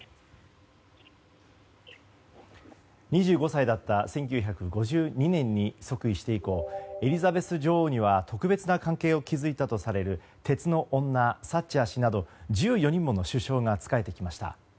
２５歳だった１９５２年に即位して以降エリザベス女王には特別な関係を築いたとされる鉄の女、サッチャー氏など１４人もの首相が仕えてきました。